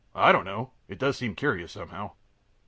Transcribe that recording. A. I don't know. It does seem curious, somehow.